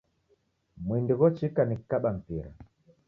Mwindi ghochika nikikaba mpira